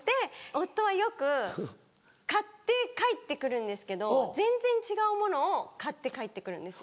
夫はよく買って帰って来るんですけど全然違うものを買って帰って来るんです。